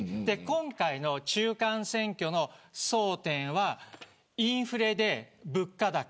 今回の中間選挙の争点はインフレで物価高。